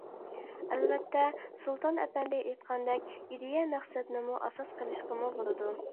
ئەلۋەتتە، سۇلتان ئەپەندى ئېيتقاندەك، ئىدىيە مەقسەتنىمۇ ئاساس قىلىشقىمۇ بولىدۇ.